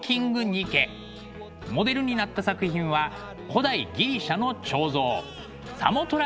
ニケ」モデルになった作品は古代ギリシャの彫像